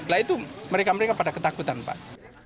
nah itu mereka mereka pada ketakutan pak